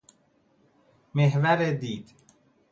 محور دید